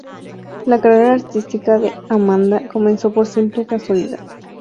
La carrera artística de Amanda comenzó por simple casualidad.